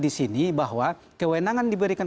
di sini bahwa kewenangan diberikan